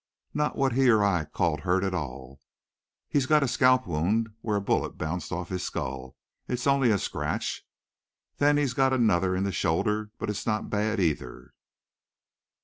Not what he or I'd call hurt at all. He's got a scalp wound, where a bullet bounced off his skull. It's only a scratch. Then he's got another in the shoulder; but it's not bad, either."